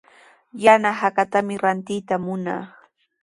Yana hakatami rantiyta munaa.